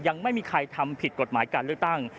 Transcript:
ยังไม่มีใครทำผิดกฎหมายการเลือกตั้ง